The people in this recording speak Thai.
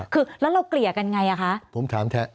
คือแล้วเราเกลี่ยกันไงอ่ะคะ